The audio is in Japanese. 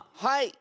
はい！